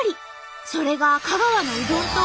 それが香川のうどんと合体？